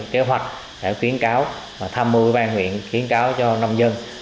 kế hoạch sẽ khuyến cáo và tham mưu ban nguyện khuyến cáo cho nông dân